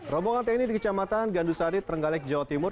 rombongan teknik di kecamatan gandusari terenggalek jawa timur